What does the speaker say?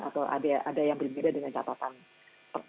atau ada yang berbeda dengan catatan orang per orang